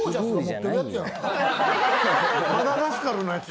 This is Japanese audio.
マダガスカルのやつ。